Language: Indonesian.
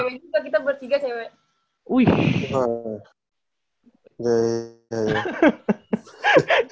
cewek juga kita bertiga cewek